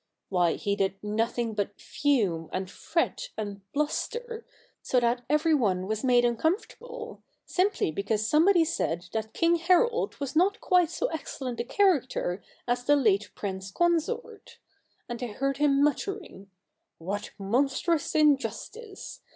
Why, he did nothing but fume, and fret, and bluster, so that everyone was made uncomfortable, simply because somebody said that King Harold was not quite so excellent a character as the late Prince Consort ; and I heard him muttering, " What monstrous injustice